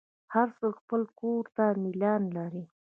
هر څوک خپل کور ته میلان لري.